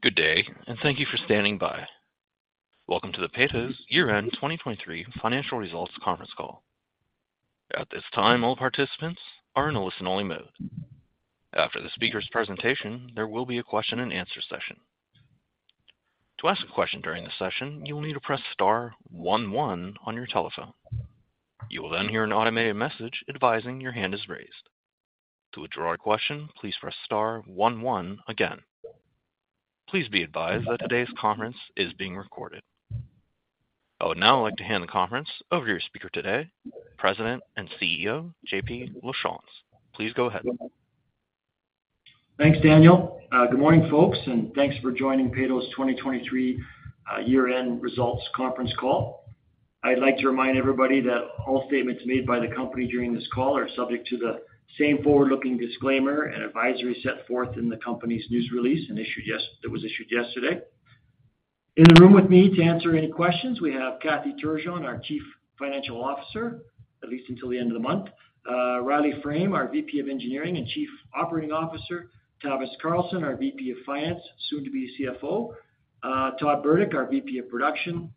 Good day, and thank you for standing by. Welcome to the Peyto's Year-end 2023 Financial Results Conference Call. At this time, all participants are in a listen-only mode. After the speaker's presentation, there will be a question-and-answer session. To ask a question during the session, you will need to press star 11 on your telephone. You will then hear an automated message advising your hand is raised. To withdraw a question, please press star 11 again. Please be advised that today's conference is being recorded. I would now like to hand the conference over to your speaker today, President and CEO Jean-Paul Lachance. Please go ahead. Thanks, Daniel. Good morning, folks, and thanks for joining Peyto's 2023 Year-end Results Conference Call. I'd like to remind everybody that all statements made by the company during this call are subject to the same forward-looking disclaimer and advisory set forth in the company's news release that was issued yesterday. In the room with me to answer any questions, we have Kathy Turgeon, our Chief Financial Officer, at least until the end of the month, Riley Frame, our VP of Engineering and Chief Operating Officer, Tavis Carlson, our VP of Finance, soon to be CFO, Todd Burdick, our VP of Production,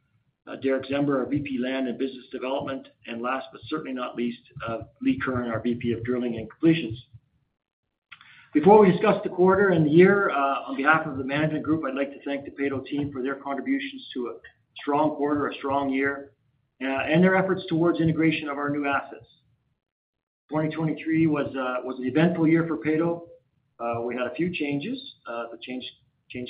Derick Czember, our VP of Land and Business Development, and last but certainly not least, Lee Curran, our VP of Drilling and Completions. Before we discuss the quarter and the year, on behalf of the management group, I'd like to thank the Peyto team for their contributions to a strong quarter, a strong year, and their efforts towards integration of our new assets. 2023 was an eventful year for Peyto. We had a few changes. The change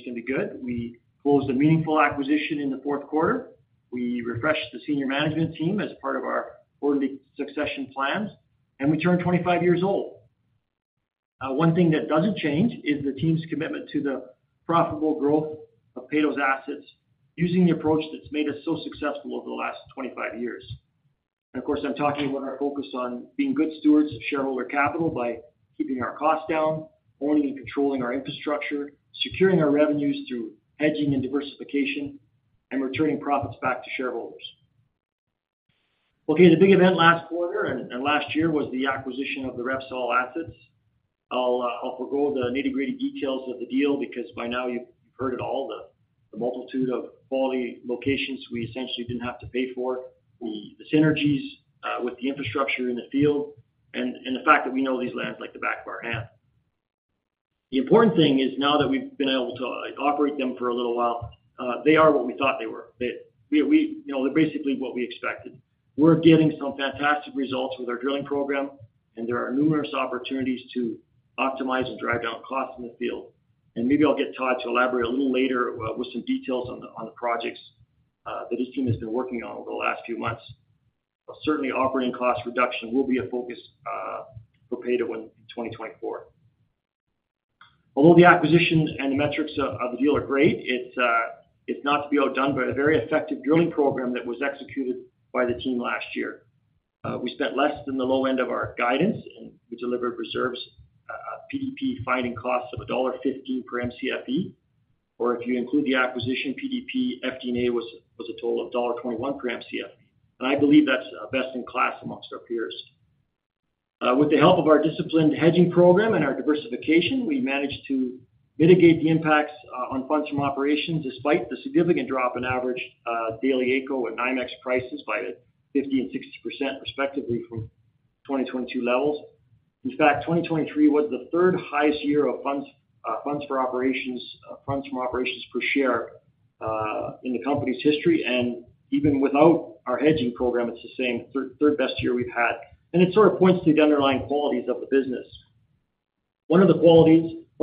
can be good. We closed a meaningful acquisition in the fourth quarter. We refreshed the senior management team as part of our quarterly succession plans, and we turned 25 years old. One thing that doesn't change is the team's commitment to the profitable growth of Peyto's assets using the approach that's made us so successful over the last 25 years. And of course, I'm talking about our focus on being good stewards of shareholder capital by keeping our costs down, owning and controlling our infrastructure, securing our revenues through hedging and diversification, and returning profits back to shareholders. Okay, the big event last quarter and last year was the acquisition of the Repsol assets. I'll forgo the nitty-gritty details of the deal because by now you've heard it all: the multitude of quality locations we essentially didn't have to pay for, the synergies with the infrastructure in the field, and the fact that we know these lands like the back of our hand. The important thing is now that we've been able to operate them for a little while, they are what we thought they were. They're basically what we expected. We're getting some fantastic results with our drilling program, and there are numerous opportunities to optimize and drive down costs in the field. Maybe I'll get Todd to elaborate a little later with some details on the projects that his team has been working on over the last few months. Certainly, operating cost reduction will be a focus for Peyto in 2024. Although the acquisition and the metrics of the deal are great, it's not to be outdone by a very effective drilling program that was executed by the team last year. We spent less than the low end of our guidance, and we delivered reserves PDP finding costs of dollar 1.15 per MCFE, or if you include the acquisition, PDP FD&A was a total of dollar 1.21 per MCFE. I believe that's best in class amongst our peers. With the help of our disciplined hedging program and our diversification, we managed to mitigate the impacts on funds from operations despite the significant drop in average daily AECO and NYMEX prices by 50% and 60%, respectively, from 2022 levels. In fact, 2023 was the third highest year of funds from operations per share in the company's history, and even without our hedging program, it's the same third best year we've had. It sort of points to the underlying qualities of the business. One of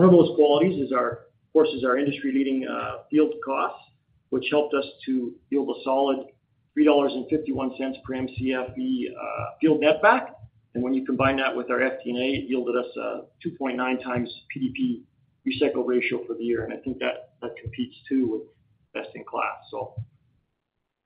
those qualities is, of course, our industry-leading field costs, which helped us to yield a solid $3.51 per MCFE field netback. When you combine that with our FD&A, it yielded us a 2.9x PDP recycle ratio for the year. I think that competes, too, with best in class, so.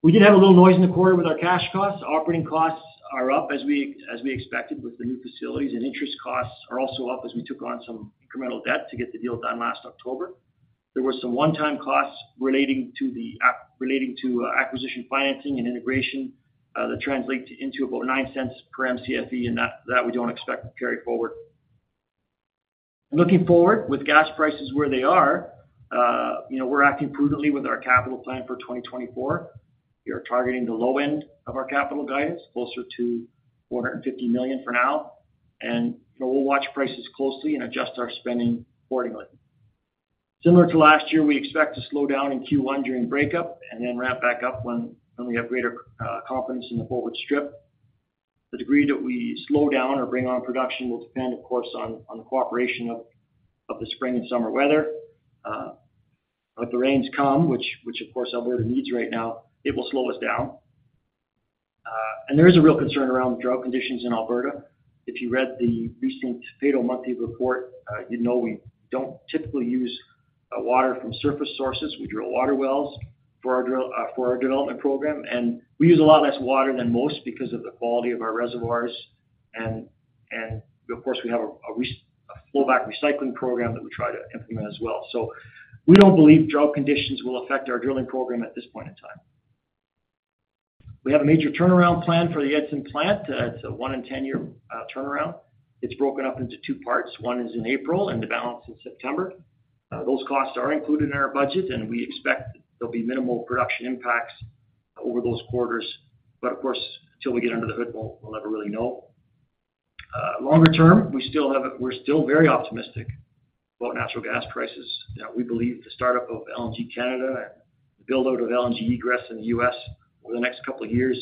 We did have a little noise in the quarter with our cash costs. Operating costs are up as we expected with the new facilities, and interest costs are also up as we took on some incremental debt to get the deal done last October. There were some one-time costs relating to acquisition financing and integration that translate into about $0.09 per MCFE, and that we don't expect to carry forward. Looking forward, with gas prices where they are, we're acting prudently with our capital plan for 2024. We are targeting the low end of our capital guidance, closer to $450 million for now. We'll watch prices closely and adjust our spending accordingly. Similar to last year, we expect to slow down in Q1 during breakup and then ramp back up when we have greater confidence in the forward strip. The degree that we slow down or bring on production will depend, of course, on the cooperation of the spring and summer weather. But the rains come, which, of course, Alberta needs right now. It will slow us down. And there is a real concern around the drought conditions in Alberta. If you read the recent Peyto monthly report, you'd know we don't typically use water from surface sources. We drill water wells for our development program, and we use a lot less water than most because of the quality of our reservoirs. And of course, we have a flowback recycling program that we try to implement as well. So we don't believe drought conditions will affect our drilling program at this point in time. We have a major turnaround plan for the Edson plant. It's a 1- and 10-year turnaround. It's broken up into two parts. One is in April, and the balance is September. Those costs are included in our budget, and we expect there'll be minimal production impacts over those quarters. But of course, until we get under the hood, we'll never really know. Longer term, we're still very optimistic about natural gas prices. We believe the startup of LNG Canada and the buildout of LNG egress in the U.S. over the next couple of years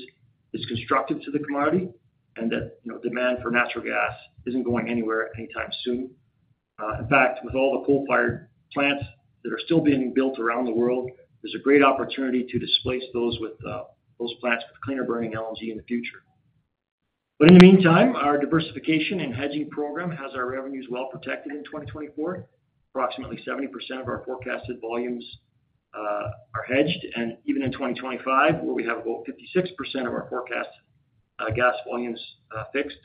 is constructive to the commodity and that demand for natural gas isn't going anywhere anytime soon. In fact, with all the coal-fired plants that are still being built around the world, there's a great opportunity to displace those plants with cleaner-burning LNG in the future. But in the meantime, our diversification and hedging program has our revenues well protected in 2024. Approximately 70% of our forecasted volumes are hedged, and even in 2025, where we have about 56% of our forecast gas volumes fixed,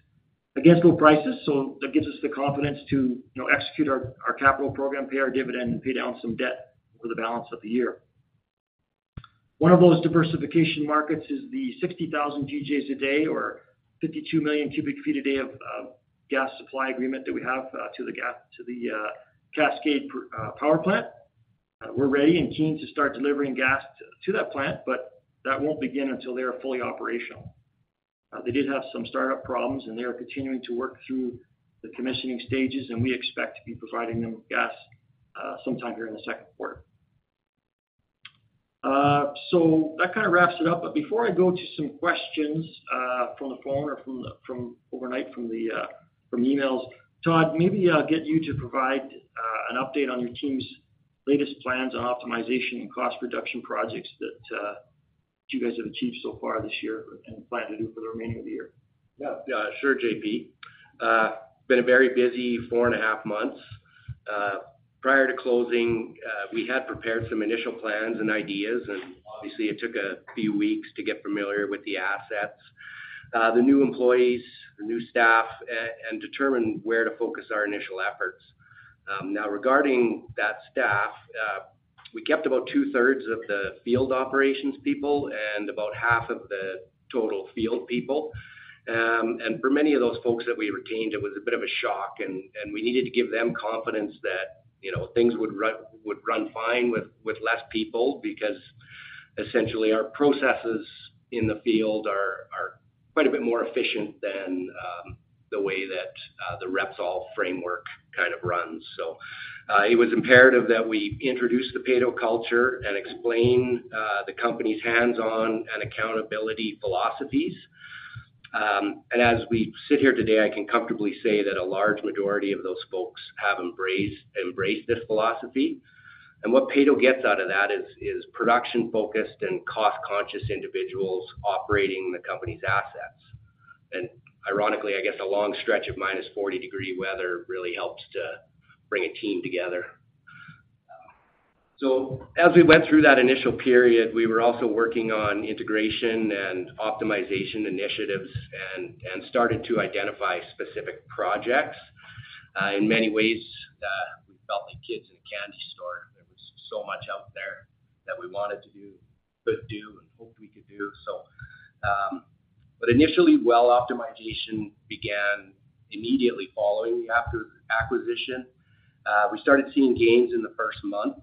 against low prices. So that gives us the confidence to execute our capital program, pay our dividend, and pay down some debt over the balance of the year. One of those diversification markets is the 60,000 GJ a day or 52 million cubic feet a day of gas supply agreement that we have to the Cascade Power Project. We're ready and keen to start delivering gas to that plant, but that won't begin until they are fully operational. They did have some startup problems, and they are continuing to work through the commissioning stages, and we expect to be providing them gas sometime here in the second quarter. So that kind of wraps it up. Before I go to some questions from the phone or overnight from emails, Todd, maybe I'll get you to provide an update on your team's latest plans on optimization and cost reduction projects that you guys have achieved so far this year and plan to do for the remaining of the year. Yeah, sure, JP. Been a very busy four and a half months. Prior to closing, we had prepared some initial plans and ideas, and obviously, it took a few weeks to get familiar with the assets, the new employees, the new staff, and determine where to focus our initial efforts. Now, regarding that staff, we kept about two-thirds of the field operations people and about half of the total field people. And for many of those folks that we retained, it was a bit of a shock, and we needed to give them confidence that things would run fine with less people because, essentially, our processes in the field are quite a bit more efficient than the way that the Repsol framework kind of runs. So it was imperative that we introduce the Peyto culture and explain the company's hands-on and accountability philosophies. As we sit here today, I can comfortably say that a large majority of those folks have embraced this philosophy. What Peyto gets out of that is production-focused and cost-conscious individuals operating the company's assets. Ironically, I guess a long stretch of minus 40 degrees Celsius weather really helps to bring a team together. As we went through that initial period, we were also working on integration and optimization initiatives and started to identify specific projects. In many ways, we felt like kids in a candy store. There was so much out there that we wanted to do, could do, and hoped we could do, so. Initially, well optimization began immediately following the acquisition. We started seeing gains in the first month.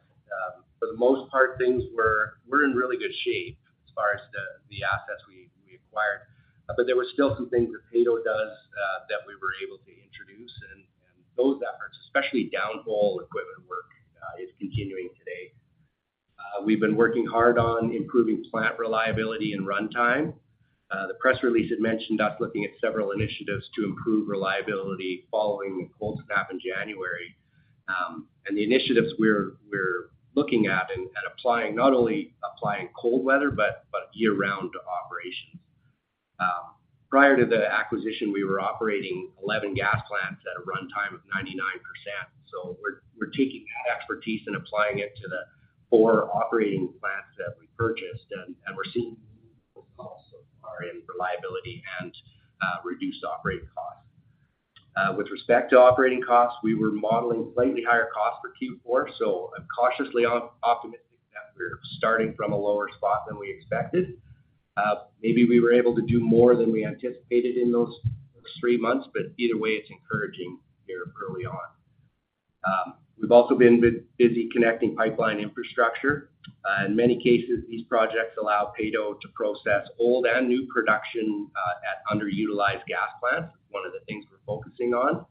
For the most part, things were in really good shape as far as the assets we acquired. But there were still some things that Peyto does that we were able to introduce. And those efforts, especially downhole equipment work, is continuing today. We've been working hard on improving plant reliability and runtime. The press release had mentioned us looking at several initiatives to improve reliability following the cold snap in January. And the initiatives we're looking at and applying not only applying cold weather but year-round operations. Prior to the acquisition, we were operating 11 gas plants at a runtime of 99%. So we're taking that expertise and applying it to the four operating plants that we purchased, and we're seeing results so far in reliability and reduced operating costs. With respect to operating costs, we were modeling slightly higher costs for Q4, so I'm cautiously optimistic that we're starting from a lower spot than we expected. Maybe we were able to do more than we anticipated in those three months, but either way, it's encouraging here early on. We've also been busy connecting pipeline infrastructure. In many cases, these projects allow Peyto to process old and new production at underutilized gas plants. One of the things we're focusing on.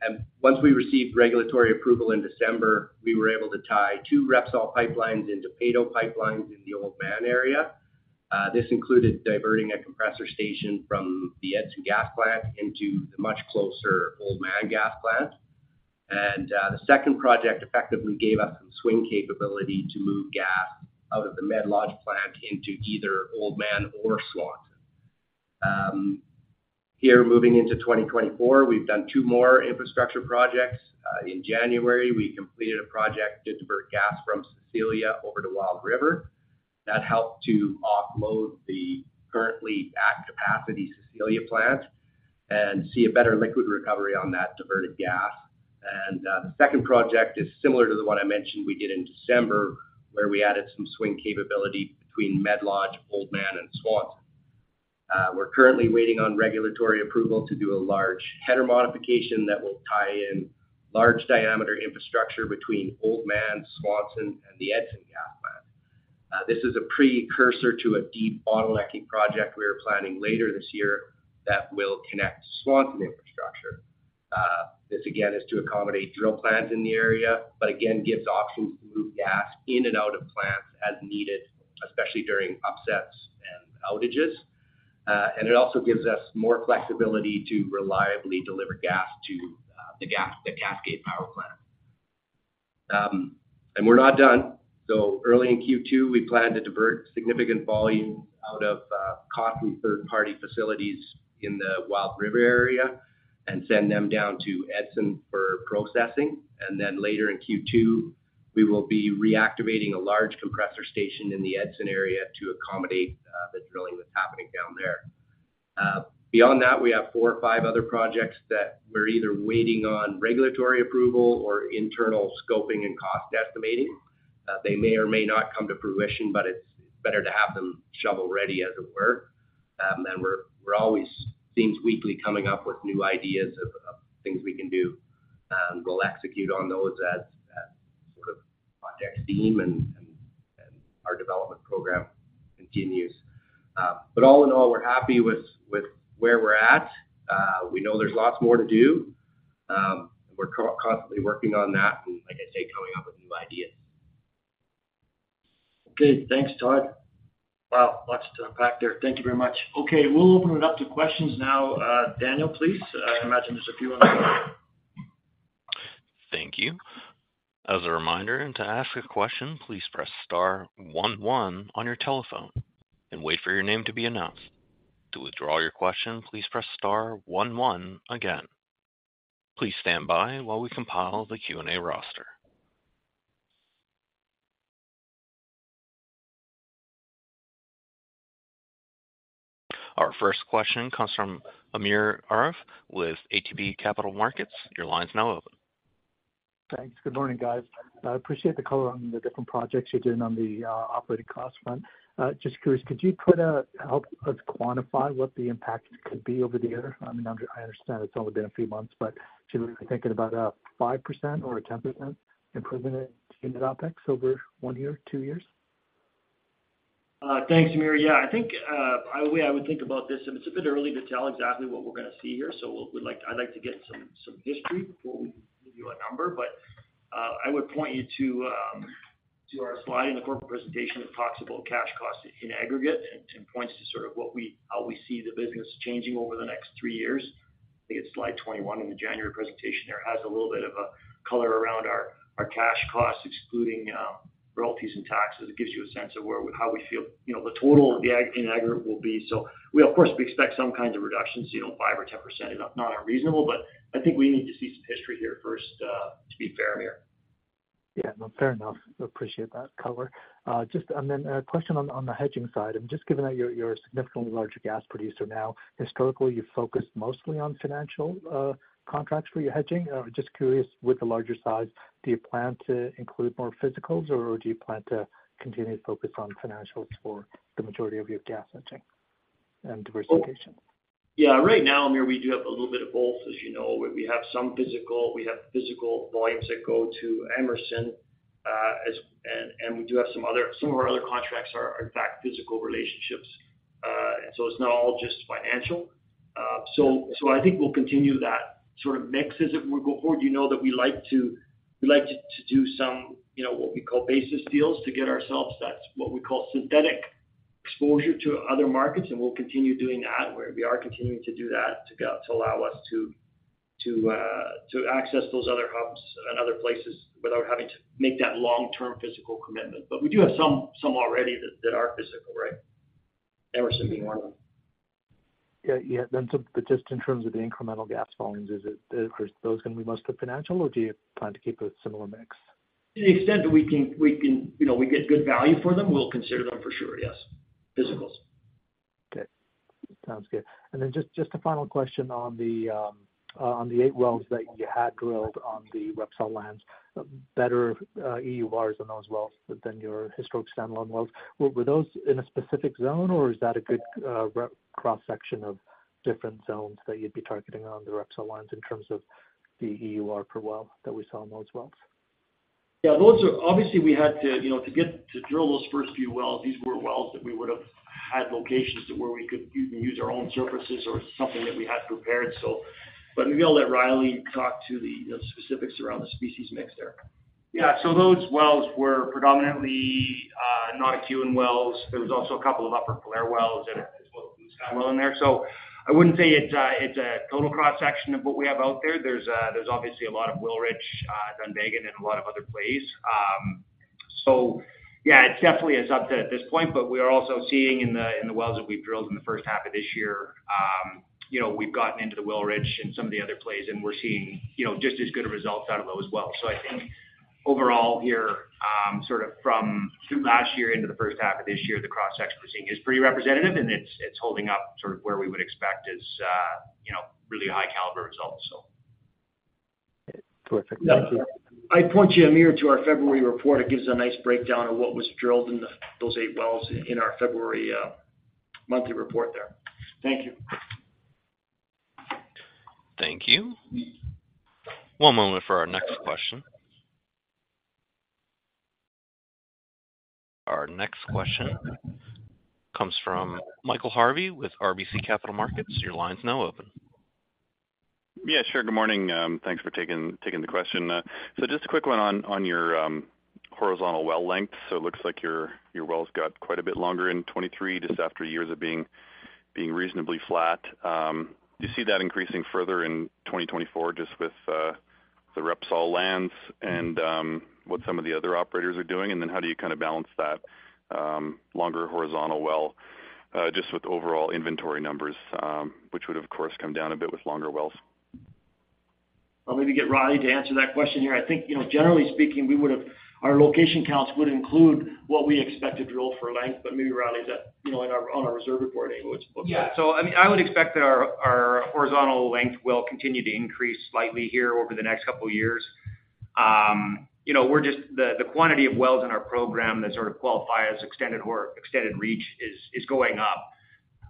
And once we received regulatory approval in December, we were able to tie two Repsol pipelines into Peyto pipelines in the Oldman area. This included diverting a compressor station from the Edson gas plant into the much closer Oldman gas plant. And the second project effectively gave us some swing capability to move gas out of the MedLodge plant into either Oldman or Swanson. Here, moving into 2024, we've done two more infrastructure projects. In January, we completed a project, to divert gas from Cecilia over to Wild River. That helped to offload the currently at-capacity Cecilia plant and see a better liquid recovery on that diverted gas. The second project is similar to the one I mentioned we did in December, where we added some swing capability between MedLodge, Oldman, and Swanson. We're currently waiting on regulatory approval to do a large header modification that will tie in large-diameter infrastructure between Oldman, Swanson, and the Edson gas plant. This is a precursor to a deep bottlenecking project we are planning later this year that will connect Swanson infrastructure. This, again, is to accommodate drill plants in the area but again gives options to move gas in and out of plants as needed, especially during upsets and outages. And it also gives us more flexibility to reliably deliver gas to the Cascade Power Plant. And we're not done. So early in Q2, we plan to divert significant volumes out of costly third-party facilities in the Wild River area and send them down to Edson for processing. And then later in Q2, we will be reactivating a large compressor station in the Edson area to accommodate the drilling that's happening down there. Beyond that, we have four or five other projects that we're either waiting on regulatory approval or internal scoping and cost estimating. They may or may not come to fruition, but it's better to have them shovel ready, as it were. And we're always, seems, weekly coming up with new ideas of things we can do. We'll execute on those as sort of project steam, and our development program continues. But all in all, we're happy with where we're at. We know there's lots more to do. We're constantly working on that and, like I say, coming up with new ideas. Okay. Thanks, Todd. Wow, lots to unpack there. Thank you very much. Okay. We'll open it up to questions now. Daniel, please. I imagine there's a few on the floor. Thank you. As a reminder, to ask a question, please press star 11 on your telephone and wait for your name to be announced. To withdraw your question, please press star 11 again. Please stand by while we compile the Q&A roster. Our first question comes from Amir Arif with ATB Capital Markets. Your line's now open. Thanks. Good morning, guys. I appreciate the color on the different projects you're doing on the operating cost front. Just curious, could you help us quantify what the impact could be over the year? I mean, I understand it's only been a few months, but should we be thinking about a 5% or a 10% improvement in unit OpEx over one year, two years? Thanks, Amir. Yeah, I think the only way I would think about this, and it's a bit early to tell exactly what we're going to see here, so I'd like to get some history before we give you a number. But I would point you to our slide in the corporate presentation that talks about cash costs in aggregate and points to sort of how we see the business changing over the next three years. I think it's slide 21 in the January presentation. There has a little bit of color around our cash costs, excluding royalties and taxes. It gives you a sense of how we feel the total in aggregate will be. So we, of course, expect some kinds of reductions, 5%-10%. It's not unreasonable, but I think we need to see some history here first, to be fair, Amir. Yeah, fair enough. Appreciate that color. And then a question on the hedging side. I'm just, given that you're a significantly larger gas producer now, historically, you've focused mostly on financial contracts for your hedging. Just curious, with the larger size, do you plan to include more physicals, or do you plan to continue to focus on financials for the majority of your gas hedging and diversification? Yeah, right now, Amir, we do have a little bit of both. As you know, we have some physical. We have physical volumes that go to Emerson, and we do have some other. Some of our other contracts are, in fact, physical relationships. And so it's not all just financial. So I think we'll continue that sort of mix as it will go forward. You know that we like to do some what we call basis deals to get ourselves, that's what we call synthetic exposure to other markets, and we'll continue doing that, where we are continuing to do that to allow us to access those other hubs and other places without having to make that long-term physical commitment. But we do have some already that are physical, right? Emerson being one of them. Yeah. But just in terms of the incremental gas volumes, are those going to be mostly financial, or do you plan to keep a similar mix? To the extent that we can get good value for them, we'll consider them for sure, yes, physicals. Okay. Sounds good. And then just a final question on the 8 wells that you had drilled on the Repsol lands. Better EURs on those wells than your historic standalone wells. Were those in a specific zone, or is that a good cross-section of different zones that you'd be targeting on the Repsol lands in terms of the EUR per well that we saw on those wells? Yeah, obviously, we had to get to drill those first few wells. These were wells that we would have had locations where we could even use our own surfaces or something that we had prepared, so. But maybe I'll let Riley talk to the specifics around the species mix there. Yeah, so those wells were predominantly Notikewin well. There was also a couple of Upper Falher wells as well Bluesky as a well in there. So I wouldn't say it's a total cross-section of what we have out there. There's obviously a lot of Wilrich, Dunvegan, and a lot of other plays. So yeah, it definitely is upset at this point, but we are also seeing in the wells that we've drilled in the first half of this year, we've gotten into the Wilrich and some of the other plays, and we're seeing just as good results out of those wells. So I think overall here, sort of from last year into the first half of this year, the cross-section we're seeing is pretty representative, and it's holding up sort of where we would expect as really high-caliber results, so. Terrific. Thank you. Yeah. I'd point you, Amir, to our February report. It gives a nice breakdown of what was drilled in those 8 wells in our February monthly report there. Thank you. Thank you. One moment for our next question. Our next question comes from Michael Harvey with RBC Capital Markets. Your line's now open. Yeah, sure. Good morning. Thanks for taking the question. So just a quick one on your horizontal well length. So it looks like your wells got quite a bit longer in 2023 just after years of being reasonably flat. Do you see that increasing further in 2024 just with the Repsol lands and what some of the other operators are doing? And then how do you kind of balance that longer horizontal well just with overall inventory numbers, which would, of course, come down a bit with longer wells? Well, maybe get Riley to answer that question here. I think, generally speaking, our location counts would include what we expect to drill for length, but maybe Riley's on our reserve report anyway, which looks like. Yeah. So I mean, I would expect that our horizontal length will continue to increase slightly here over the next couple of years. The quantity of wells in our program that sort of qualify as extended reach is going up.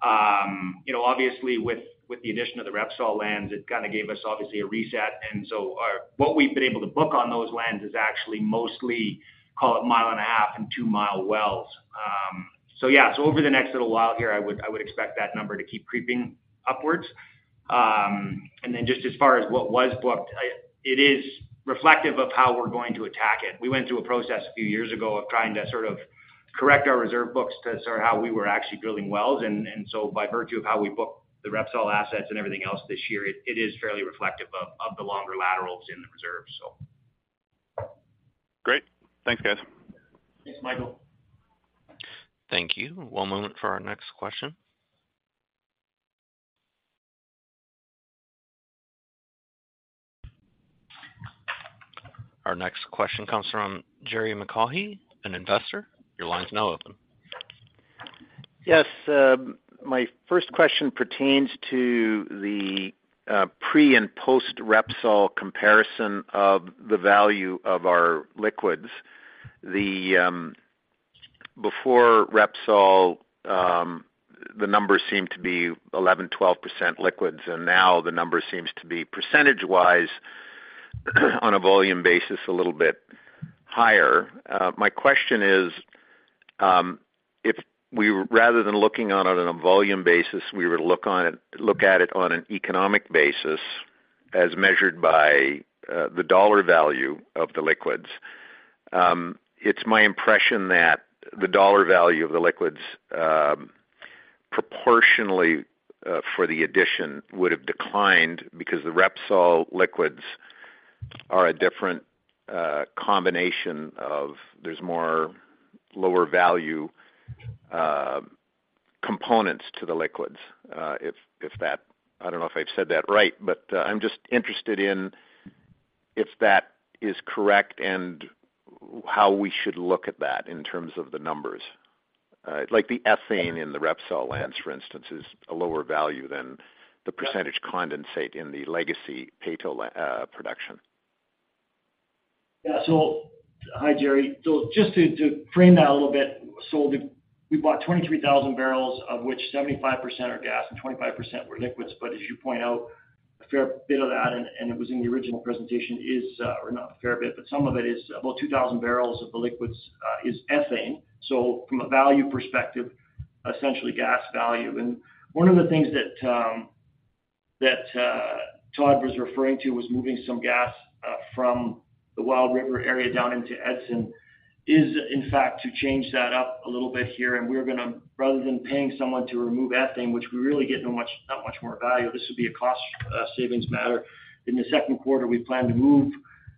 Obviously, with the addition of the Repsol lands, it kind of gave us, obviously, a reset. And so what we've been able to book on those lands is actually mostly, call it, mile and a half and two-mile wells. So yeah, so over the next little while here, I would expect that number to keep creeping upwards. And then just as far as what was booked, it is reflective of how we're going to attack it. We went through a process a few years ago of trying to sort of correct our reserve books to sort of how we were actually drilling wells. By virtue of how we booked the Repsol assets and everything else this year, it is fairly reflective of the longer laterals in the reserves, so. Great. Thanks, guys. Thanks, Michael. Thank you. One moment for our next question. Our next question comes from Gerry McCahey, an investor. Your line's now open. Yes. My first question pertains to the pre and post-Repsol comparison of the value of our liquids. Before Repsol, the numbers seemed to be 11%-12% liquids, and now the number seems to be, percentage-wise, on a volume basis, a little bit higher. My question is, rather than looking on it on a volume basis, we would look at it on an economic basis as measured by the dollar value of the liquids. It's my impression that the dollar value of the liquids, proportionally for the addition, would have declined because the Repsol liquids are a different combination of; there's more lower-value components to the liquids, if that. I don't know if I've said that right, but I'm just interested in if that is correct and how we should look at that in terms of the numbers. The ethane in the Repsol lands, for instance, is a lower value than the percentage condensate in the legacy Peyto production. Yeah. Hi, Gerry. So just to frame that a little bit, so we bought 23,000 barrels, of which 75% are gas and 25% were liquids. But as you point out, a fair bit of that - and it was in the original presentation - is or not a fair bit, but some of it is about 2,000 barrels of the liquids is ethane. So from a value perspective, essentially gas value. And one of the things that Todd was referring to was moving some gas from the Wild River area down into Edson is, in fact, to change that up a little bit here. And we're going to rather than paying someone to remove ethane, which we really get not much more value, this would be a cost-savings matter. In the second quarter, we plan to move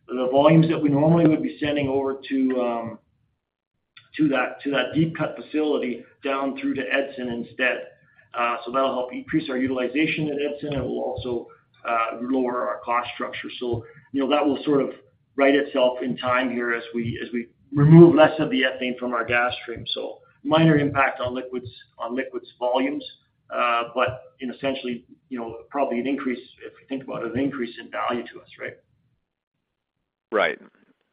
the volumes that we normally would be sending over to that deep-cut facility down through to Edson instead. So that'll help increase our utilization at Edson, and it will also lower our cost structure. So that will sort of right itself in time here as we remove less of the ethane from our gas stream. So minor impact on liquids volumes, but essentially probably an increase, if you think about it, an increase in value to us, right? Right.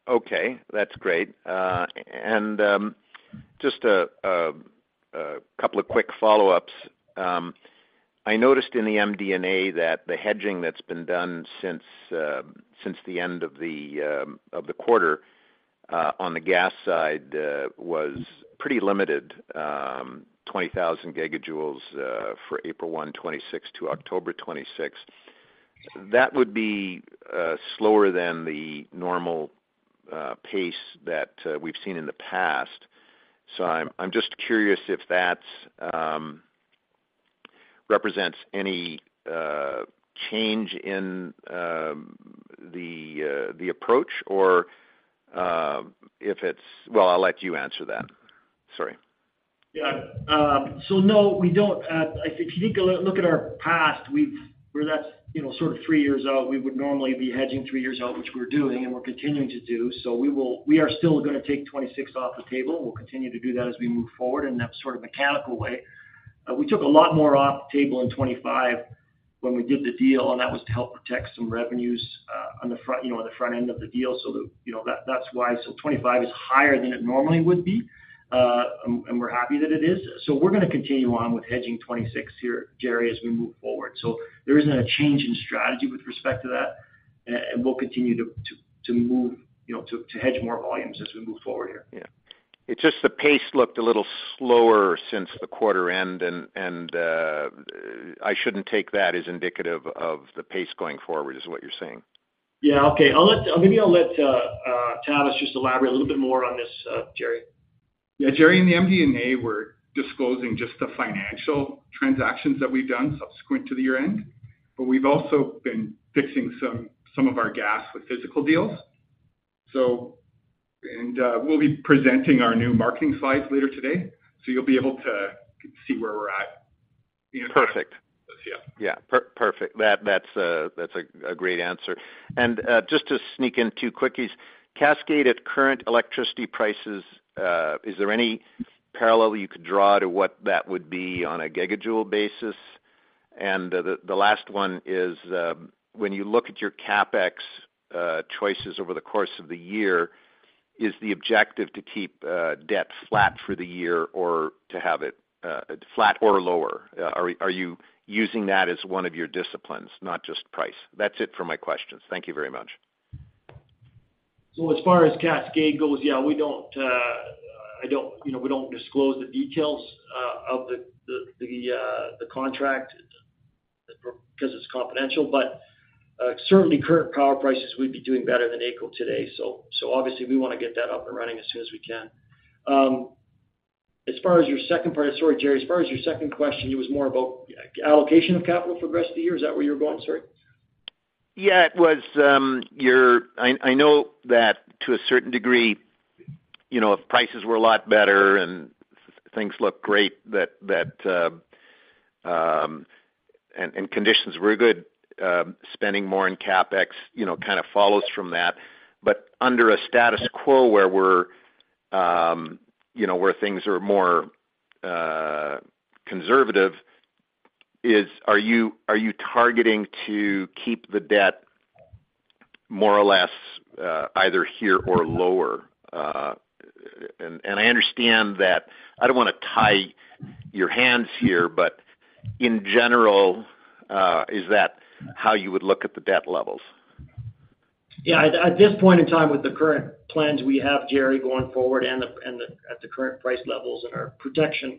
Okay. That's great. And just a couple of quick follow-ups. I noticed in the MD&A that the hedging that's been done since the end of the quarter on the gas side was pretty limited, 20,000 gigajoules for April 1, 2026 to October 26, 2026. That would be slower than the normal pace that we've seen in the past. So I'm just curious if that represents any change in the approach or if it's well, I'll let you answer that. Sorry. Yeah. So no, we don't. If you look at our past, where that's sort of three years out, we would normally be hedging three years out, which we're doing, and we're continuing to do. So we are still going to take 2026 off the table. We'll continue to do that as we move forward in that sort of mechanical way. We took a lot more off the table in 2025 when we did the deal, and that was to help protect some revenues on the front end of the deal. So that's why. So 2025 is higher than it normally would be, and we're happy that it is. So we're going to continue on with hedging 2026 here, Gerry, as we move forward. So there isn't a change in strategy with respect to that, and we'll continue to move to hedge more volumes as we move forward here. Yeah. It's just the pace looked a little slower since the quarter end, and I shouldn't take that as indicative of the pace going forward, is what you're saying. Yeah. Okay. Maybe I'll let Tavis just elaborate a little bit more on this, Gerry. Yeah. Gerry, in the MD&A, we're disclosing just the financial transactions that we've done subsequent to the year-end. But we've also been fixing some of our gas with physical deals. And we'll be presenting our new marketing slides later today, so you'll be able to see where we're at. Perfect. Yeah. Yeah. Perfect. That's a great answer. And just to sneak in two quickies. Cascade at current electricity prices, is there any parallel you could draw to what that would be on a gigajoule basis? And the last one is, when you look at your CapEx choices over the course of the year, is the objective to keep debt flat for the year or to have it flat or lower? Are you using that as one of your disciplines, not just price? That's it for my questions. Thank you very much. So as far as Cascade goes, yeah, we don't disclose the details of the contract because it's confidential. But certainly, current power prices, we'd be doing better than April today. So obviously, we want to get that up and running as soon as we can. As far as your second part, sorry, Gerry. As far as your second question, it was more about allocation of capital for the rest of the year. Is that where you were going? Sorry. Yeah. It was, you know, that to a certain degree, if prices were a lot better and things looked great and conditions were good, spending more in CapEx kind of follows from that. But under a status quo where things are more conservative, are you targeting to keep the debt more or less either here or lower? And I understand that I don't want to tie your hands here, but in general, is that how you would look at the debt levels? Yeah. At this point in time, with the current plans we have, Gerry, going forward and at the current price levels and our protection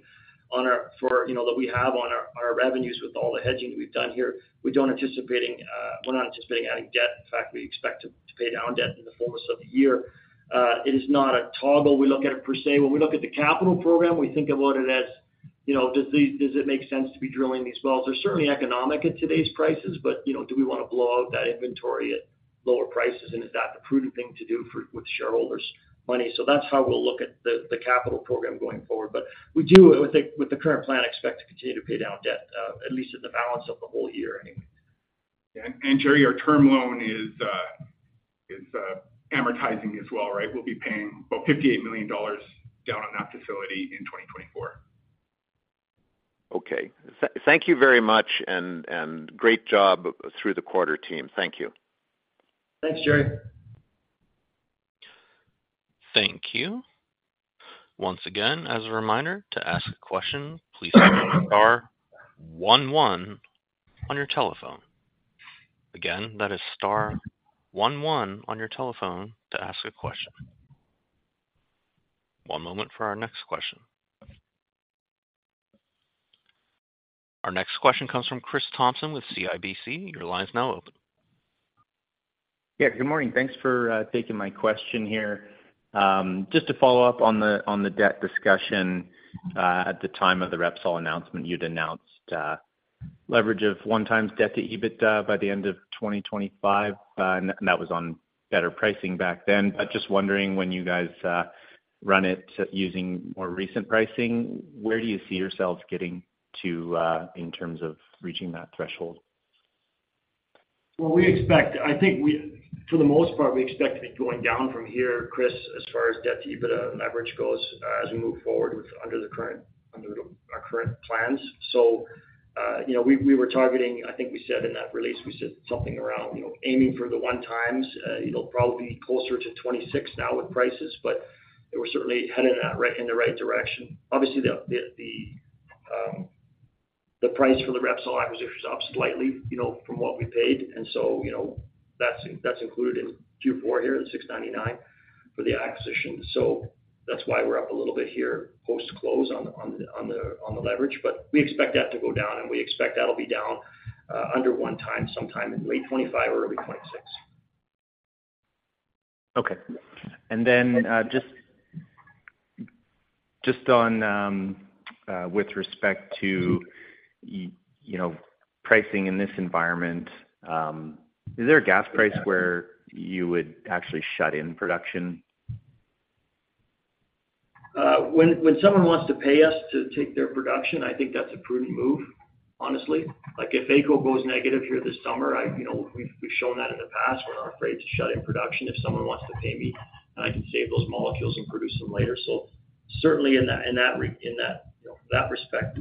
that we have on our revenues with all the hedging that we've done here, we're not anticipating adding debt. In fact, we expect to pay down debt in the fullness of the year. It is not a toggle we look at it per se. When we look at the capital program, we think about it as, "Does it make sense to be drilling these wells?" They're certainly economic at today's prices, but do we want to blow out that inventory at lower prices? And is that the prudent thing to do with shareholders' money? So that's how we'll look at the capital program going forward. We do, with the current plan, expect to continue to pay down debt, at least in the balance of the whole year anyway. Yeah. And Gerry, our term loan is amortizing as well, right? We'll be paying about 58 million dollars down on that facility in 2024. Okay. Thank you very much, and great job through the quarter, team. Thank you. Thanks, Gerry. Thank you. Once again, as a reminder, to ask a question, please use STAR 11 on your telephone. Again, that is STAR 11 on your telephone to ask a question. One moment for our next question. Our next question comes from Chris Thompson with CIBC. Your line's now open. Yeah. Good morning. Thanks for taking my question here. Just to follow up on the debt discussion at the time of the Repsol announcement, you'd announced leverage of 1x debt to EBITDA by the end of 2025, and that was on better pricing back then. But just wondering, when you guys run it using more recent pricing, where do you see yourselves getting to in terms of reaching that threshold? Well, I think, for the most part, we expect to be going down from here, Chris, as far as debt to EBITDA leverage goes as we move forward under our current plans. So we were targeting I think we said in that release, we said something around aiming for the 1x, probably closer to 2026 now with prices, but we're certainly heading in the right direction. Obviously, the price for the Repsol acquisition is up slightly from what we paid, and so that's included in Q4 here, the 699 million, for the acquisition. So that's why we're up a little bit here post-close on the leverage. But we expect that to go down, and we expect that'll be down under 1x sometime in late 2025 or early 2026. Okay. And then just with respect to pricing in this environment, is there a gas price where you would actually shut in production? When someone wants to pay us to take their production, I think that's a prudent move, honestly. If April goes negative here this summer, we've shown that in the past. We're not afraid to shut in production if someone wants to pay me, and I can save those molecules and produce them later. So certainly, in that respect,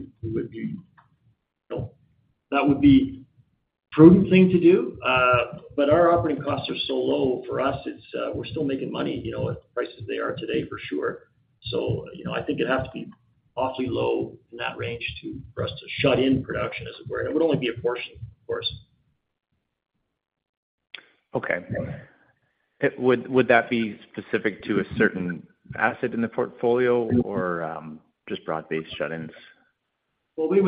that would be a prudent thing to do. But our operating costs are so low for us, we're still making money at prices they are today, for sure. So I think it'd have to be awfully low in that range for us to shut in production, as it were. And it would only be a portion, of course. Okay. Would that be specific to a certain asset in the portfolio or just broad-based shut-ins? Well, we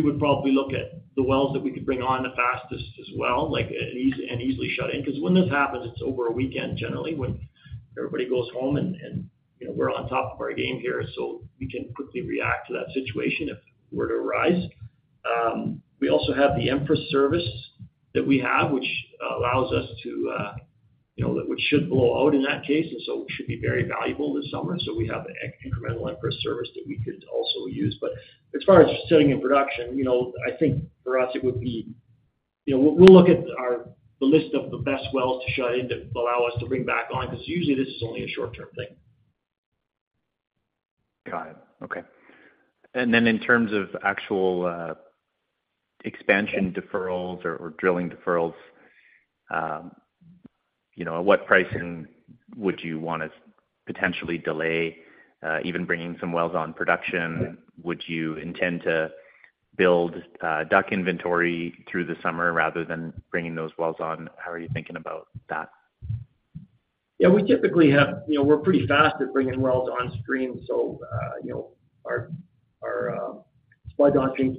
would probably look at the wells that we could bring on the fastest as well and easily shut in. Because when this happens, it's over a weekend, generally, when everybody goes home, and we're on top of our game here, so we can quickly react to that situation if it were to arise. We also have the Empress service that we have, which allows us to, which should blow out in that case, and so should be very valuable this summer. So we have incremental Empress service that we could also use. But as far as shutting in production, I think for us, it would be, we'll look at the list of the best wells to shut in that will allow us to bring back on because usually, this is only a short-term thing. Got it. Okay. And then in terms of actual expansion deferrals or drilling deferrals, at what pricing would you want to potentially delay even bringing some wells on production? Would you intend to build DUC inventory through the summer rather than bringing those wells on? How are you thinking about that? Yeah. We typically, we're pretty fast at bringing wells on stream. So our supply downstream's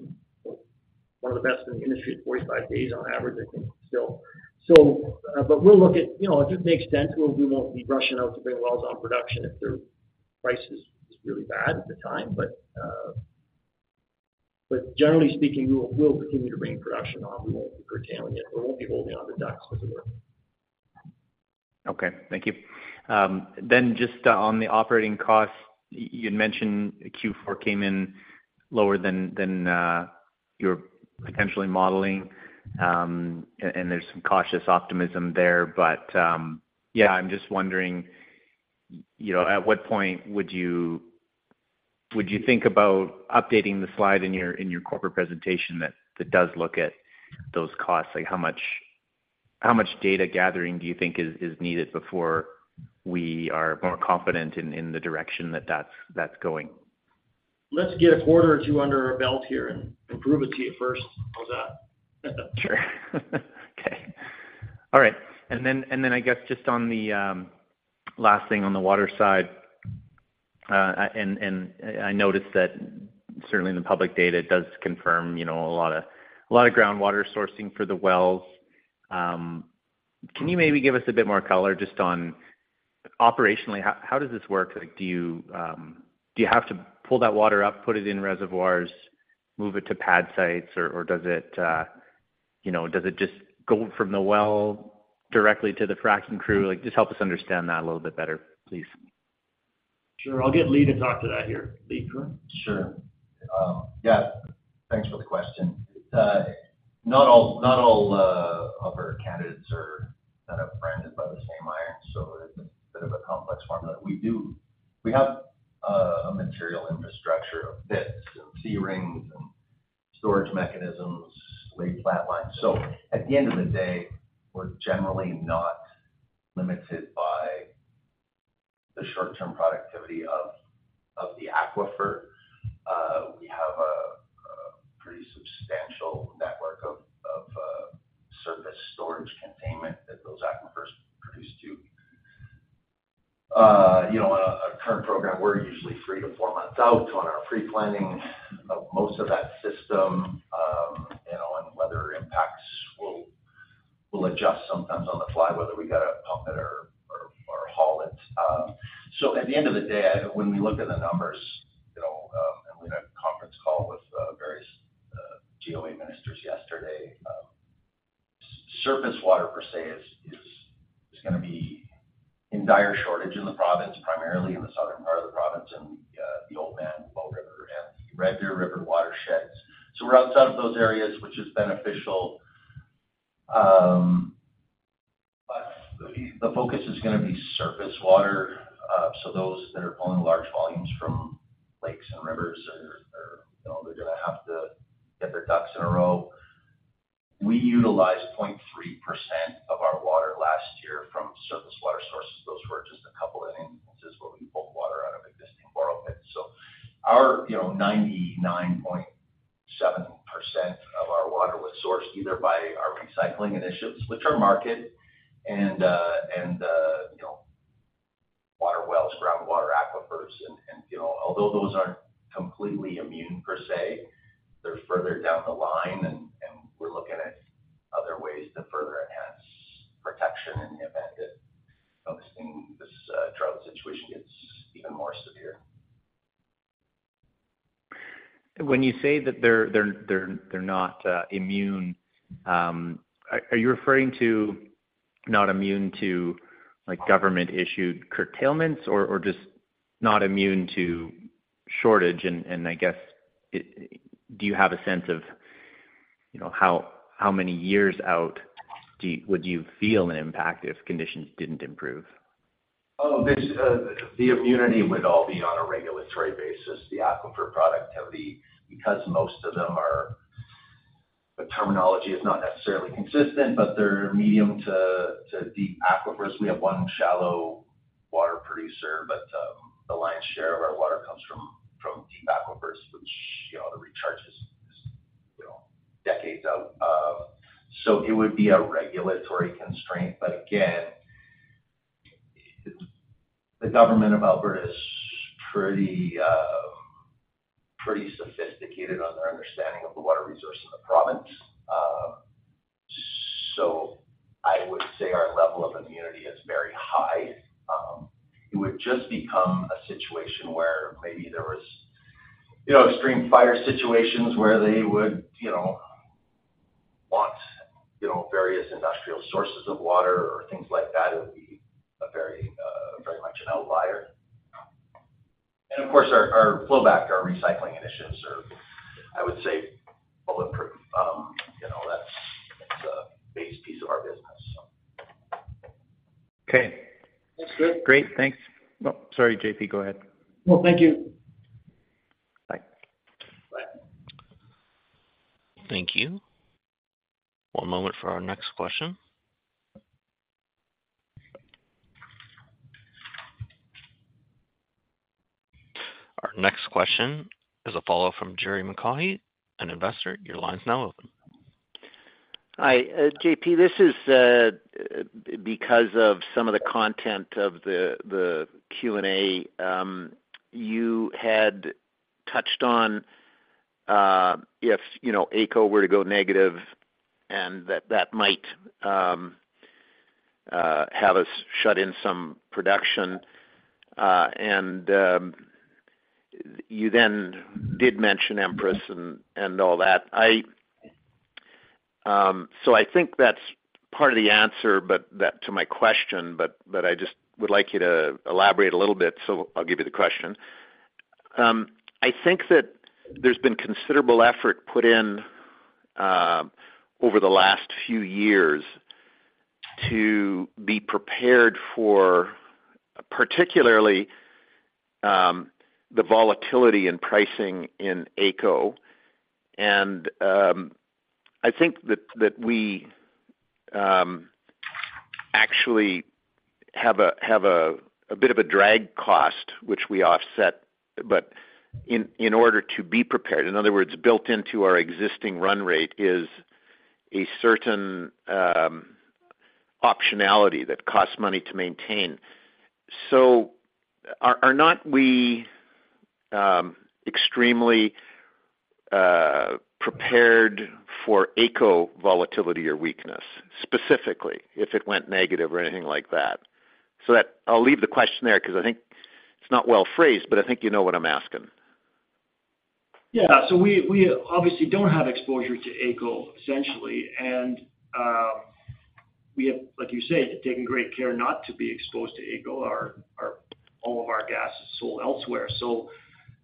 one of the best in the industry at 45 days on average, I think, still. But we'll look at if it makes sense; we won't be rushing out to bring wells on production if their price is really bad at the time. But generally speaking, we'll continue to bring production on. We won't be curtailing it. We won't be holding onto DUCs, as it were. Okay. Thank you. Just on the operating costs, you'd mentioned Q4 came in lower than your potentially modeling, and there's some cautious optimism there. But yeah, I'm just wondering, at what point would you think about updating the slide in your corporate presentation that does look at those costs? How much data gathering do you think is needed before we are more confident in the direction that that's going? Let's get a quarter or two under our belt here and prove it to you first. How's that? Sure. Okay. All right. Then I guess just on the last thing, on the water side, and I noticed that certainly in the public data, it does confirm a lot of groundwater sourcing for the wells. Can you maybe give us a bit more color just on operationally? How does this work? Do you have to pull that water up, put it in reservoirs, move it to pad sites, or does it just go from the well directly to the fracking crew? Just help us understand that a little bit better, please. Sure. I'll get Lee to talk to that here. Lee, correct? Sure. Yeah. Thanks for the question. Not all of our candidates are kind of branded by the same iron, so it's a bit of a complex formula. We have a material infrastructure of pits and C-Rings and storage mechanisms, lay-flat lines. So at the end of the day, we're generally not limited by the short-term productivity of the aquifer. We have a pretty substantial network of surface storage containment that those aquifers produce too. On a current program, we're usually 3-4 months out on our pre-planning of most of that system, and weather impacts will adjust sometimes on the fly whether we got to pump it or haul it. So at the end of the day, when we look at the numbers and we had a conference call with various GOA ministers yesterday, surface water, per se, is going to be in dire shortage in the province, primarily in the southern part of the province and the Oldman, Wild River, and the Red Deer River watersheds. So we're outside of those areas, which is beneficial. But the focus is going to be surface water. So those that are pulling large volumes from lakes and rivers, they're going to have to get their ducks in a row. We utilized 0.3% of our water last year from surface water sources. Those were just a couple of instances where we pulled water out of existing borrow pits. So 99.7% of our water was sourced either by our recycling initiatives, which are market, and water wells, groundwater aquifers. Although those aren't completely immune, per se, they're further down the line, and we're looking at other ways to further enhance protection in the event that this drought situation gets even more severe. When you say that they're not immune, are you referring to not immune to government-issued curtailments or just not immune to shortage? And I guess, do you have a sense of how many years out would you feel an impact if conditions didn't improve? Oh, the immunity would all be on a regulatory basis, the aquifer productivity, because most of them are the terminology is not necessarily consistent, but they're medium to deep aquifers. We have one shallow water producer, but the lion's share of our water comes from deep aquifers, which the recharge is decades out. So it would be a regulatory constraint. But again, the government of Alberta is pretty sophisticated on their understanding of the water resource in the province. So I would say our level of immunity is very high. It would just become a situation where maybe there was extreme fire situations where they would want various industrial sources of water or things like that. It would be very much an outlier. And of course, our flowback, our recycling initiatives, are, I would say, bulletproof. That's a base piece of our business, so. Okay. That's good. Great. Thanks. Oh, sorry, JP. Go ahead. Well, thank you. Bye. Bye. Thank you. One moment for our next question. Our next question is a follow-up from Gerry McCahey, an investor. Your line's now open. Hi, JP. This is because of some of the content of the Q&A. You had touched on if AECO were to go negative and that that might have us shut in some production. You then did mention Empress and all that. So I think that's part of the answer to my question, but I just would like you to elaborate a little bit. So I'll give you the question. I think that there's been considerable effort put in over the last few years to be prepared for particularly the volatility in pricing in AECO. And I think that we actually have a bit of a drag cost, which we offset. But in order to be prepared, in other words, built into our existing run rate is a certain optionality that costs money to maintain. So are not we extremely prepared for AECO volatility or weakness, specifically, if it went negative or anything like that? So I'll leave the question there because I think it's not well phrased, but I think you know what I'm asking. Yeah. So we obviously don't have exposure to AECO, essentially. And we have, like you say, taken great care not to be exposed to AECO. All of our gas is sold elsewhere. So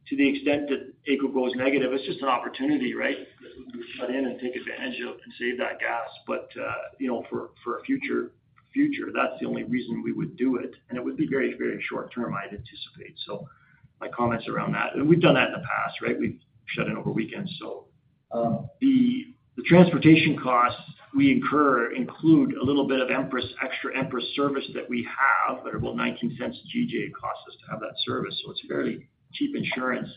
to the extent that AECO goes negative, it's just an opportunity, right, that we can shut in and take advantage of and save that gas. But for a future, that's the only reason we would do it. And it would be very, very short-term, I'd anticipate. So my comments around that and we've done that in the past, right? We've shut in over weekends, so. The transportation costs we incur include a little bit of extra Empress service that we have, but about 0.19/GJ costs us to have that service. So it's fairly cheap insurance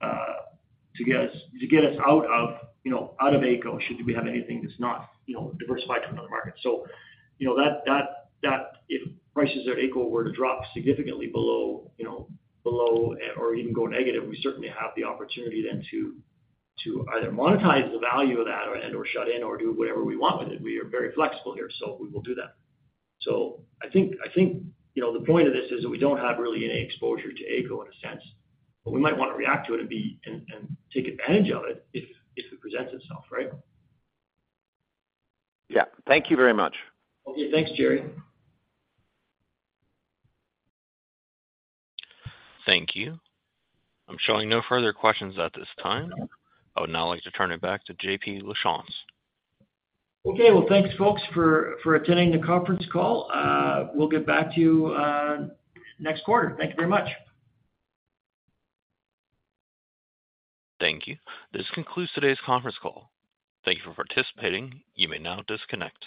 to get us out of AECO should we have anything that's not diversified to another market. So if prices at AECO were to drop significantly below or even go negative, we certainly have the opportunity then to either monetize the value of that and/or shut in or do whatever we want with it. We are very flexible here, so we will do that. So I think the point of this is that we don't have really any exposure to AECO in a sense, but we might want to react to it and take advantage of it if it presents itself, right? Yeah. Thank you very much. Okay. Thanks, Gerry. Thank you. I'm showing no further questions at this time. I would now like to turn it back to J.P. Lachance. Okay. Well, thanks, folks, for attending the conference call. We'll get back to you next quarter. Thank you very much. Thank you. This concludes today's conference call. Thank you for participating. You may now disconnect.